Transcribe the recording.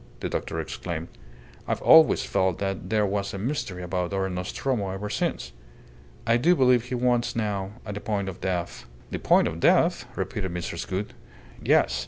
the doctor exclaimed. "I've always felt that there was a mystery about our Nostromo ever since. I do believe he wants now, at the point of death " "The point of death?" repeated Mrs. Gould. "Yes.